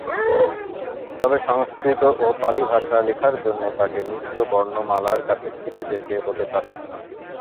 তবে সংস্কৃত ও পালি ভাষা লেখার জন্য তাদের মিশ্র বর্ণমালার কাছে ফিরে যেতে হতে পারে।